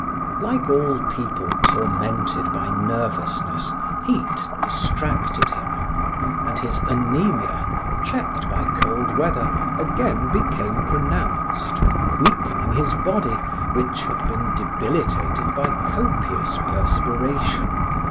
Like all people tormented by nervousness, heat distracted him. And his anaemia, checked by cold weather, again became pronounced, weakening his body which had been debilitated by copious perspiration.